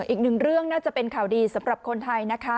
อีกหนึ่งเรื่องน่าจะเป็นข่าวดีสำหรับคนไทยนะคะ